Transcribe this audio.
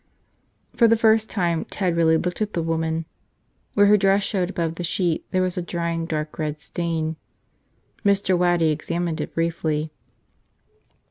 For the first time Ted really looked at the woman. Where her dress showed above the sheet there was a drying dark red stain. Mr. Waddy examined it briefly.